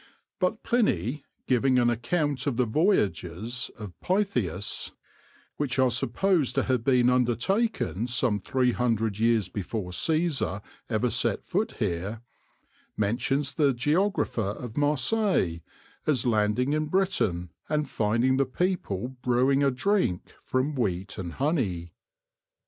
But Pliny, giving an ac count of the voyages of Pytheas, which are supposed to have been undertaken some three hundred years before Caesar ever set foot here, mentions the Ge ographer of Marseilles as landing in Britain, and finding the people brewing a drink from wheat and honey.